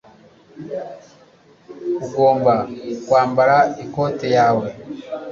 Ugomba kwambara ikote yawe.